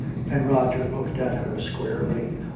And Roger looked at her squarely.